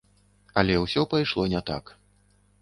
Але усё пайшло не так.